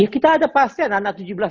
kita ada pasien anak tujuh belas tahun aja